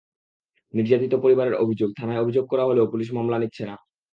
নির্যাতিত পরিবারের অভিযোগ, থানায় অভিযোগ করা হলেও পুলিশ মামলা নিচ্ছে না।